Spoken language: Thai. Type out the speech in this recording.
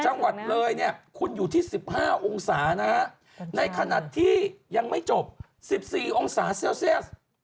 จังหวัดเลยเนี่ยคุณอยู่ที่๑๕องศานะฮะในขณะที่ยังไม่จบ๑๔องศาเซลเซียส